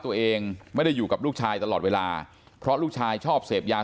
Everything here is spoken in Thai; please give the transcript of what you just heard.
ตัวเองไม่ได้อยู่กับลูกชายตลอดเวลาเพราะลูกชายชอบเสพยา